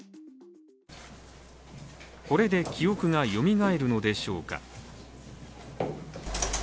これで記憶がよみがえるのでしょうか。